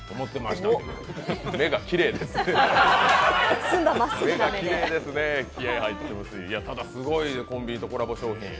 すごいですね、コンビニとコラボ商品。